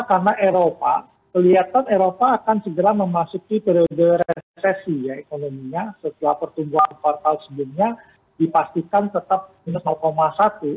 karena eropa kelihatan eropa akan segera memasuki periode resesi ya ekonominya setelah pertumbuhan portal sebelumnya dipastikan tetap minus satu